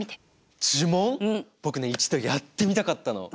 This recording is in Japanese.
僕ね一度やってみたかったの！